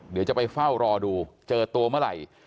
เดี๋ยวจะไปเฝ้ารอดูเจอตัวเมื่อไหร่